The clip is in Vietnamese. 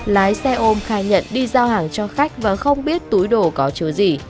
lái xe ôm khai nhận đi giao hàng cho khách và không biết túi đồ có chứa gì